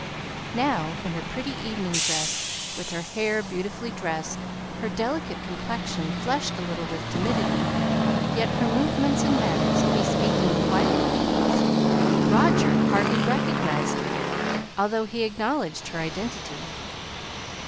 Now in her pretty evening dress, with her hair beautifully dressed, her delicate complexion flushed a little with timidity, yet her movements and manners bespeaking quiet ease, Roger hardly recognized her, although he acknowledged her identity.